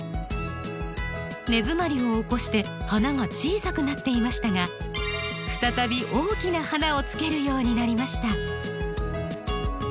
根詰まりを起こして花が小さくなっていましたが再び大きな花をつけるようになりました。